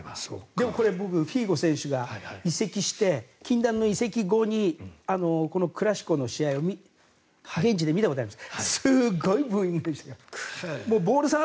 フィーゴ選手が移籍して禁断の移籍後にクラシコの試合を現地で見たことあります。